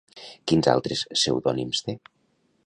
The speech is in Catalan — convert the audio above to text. Quins altres pseudònims té?